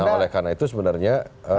nah oleh karena itu sebenarnya